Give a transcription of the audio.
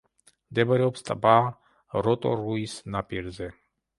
მდებარეობს ტბა როტორუის ნაპირზე.